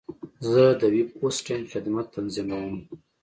زه د ویب هوسټنګ خدمت تنظیموم.